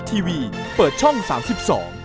ขอบคุณครับ